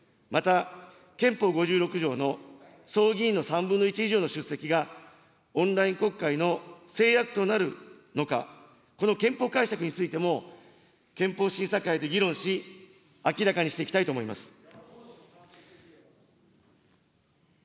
また、憲法５６条の総議員の３分の１以上の出席が、オンライン国会の制約となるのか、この憲法解釈についても憲法審査会で議論し、明らかにしていきたいと思います。